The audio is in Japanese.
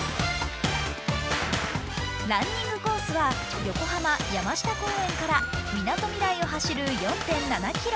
ランニングコースは横浜、山下公園からみなとみらいを走る４．７ｋｍ。